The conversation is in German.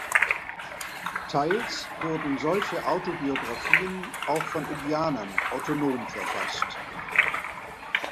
Teils wurden solche Autobiographien auch von Indianern autonom verfasst.